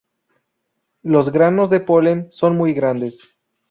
Los granos de polen son muy grandes.